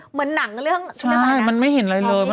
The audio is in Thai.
เหมือนหนังเรื่องใช่ไหมคะมันไม่เห็นอะไรเลย